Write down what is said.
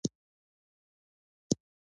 پښتنو تر وروستیو وختونو پوري دا نوم نه دی منلی.